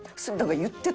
言ってた。